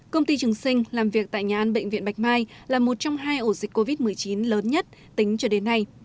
công ty trường sinh làm việc tại nhà ăn bệnh viện bạch mai là một trong hai ổ dịch covid một mươi chín lớn nhất tính cho đến nay